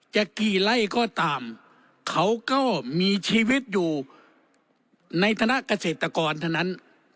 จะกี่ไร่ก็ตามเขาก็มีชีวิตอยู่ในคณะเกษตรกรเท่านั้น